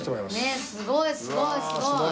ねっすごいすごいすごい！